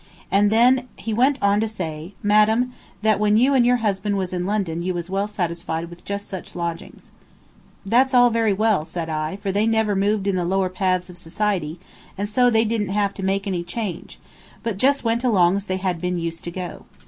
And then he went on to say, madam, that when you and your husband was in London you was well satisfied with just such lodgings. "That's all very well," I said, "for they never moved in the lower paths of society, and so they didn't have to make any change, but just went along as they had been used to go.